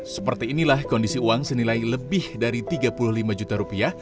seperti inilah kondisi uang senilai lebih dari tiga puluh lima juta rupiah